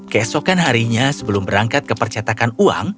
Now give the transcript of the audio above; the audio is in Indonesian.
keesokan harinya sebelum berangkat ke percetakan uang